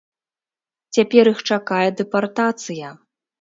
Цяпер іх чакае дэпартацыя.